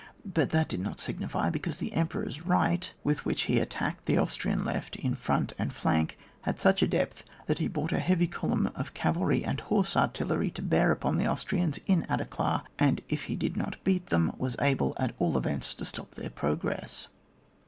But that did not signify, because the Em peror's right, with which he attacked the Austrian left in front and flank, had such a depth that he brought a heavy column of cavalry and horse artillery to bear upon the Austrians in Aderklaa, and if he did not beat them, was able, at all events, to stop their progress.